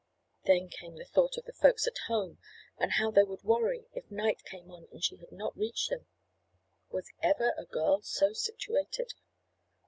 Then came the thought of the folks at home and how they would worry if night came on and she did not reach them. Was ever a girl so situated?